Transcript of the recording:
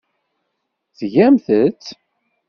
Tgamt-tt.